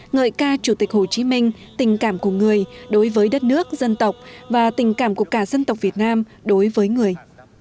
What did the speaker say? ngợi ca chủ tịch hồ chí minh tình cảm của người đối với đất nước dân tộc và tình cảm của cả dân tộc việt nam đối với người